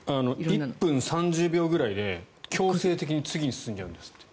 １分３０秒ぐらいで強制的に次に進んじゃうんですって。